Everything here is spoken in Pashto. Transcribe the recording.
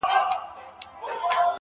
• تـا كــړلــه خـــپـــره اشــــنـــــا.